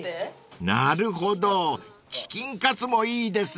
［なるほどチキンかつもいいですね］